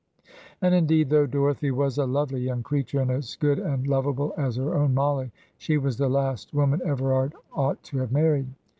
And, indeed, though Dorothy was a lovely young creature, and as good and lovable as her own Mollie, she was the last woman Everard ought to have married.